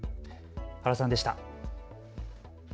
原さんでした。